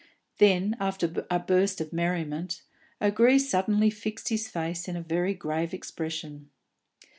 Then, after a burst of merriment, O'Gree suddenly fixed his face in a very grave expression.